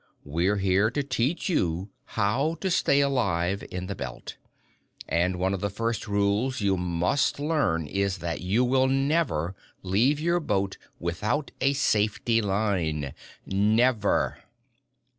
We're here to teach you how to stay alive in the Belt. And one of the first rules you must learn is that you will never leave your boat without a safety line. _Never!